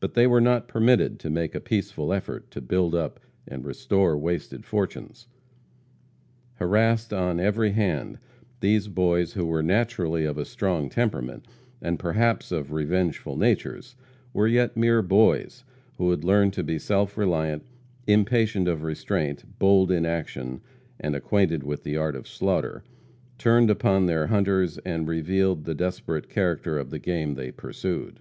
But they were not permitted to make a peaceful effort to build up and restore wasted fortunes. Harassed on every hand, these boys, who were naturally of a strong temperament, and perhaps of revengeful natures, were yet mere boys who had learned to be self reliant; impatient of restraint, bold in action, and acquainted with the art of slaughter, turned upon their hunters and revealed the desperate character of the game they pursued.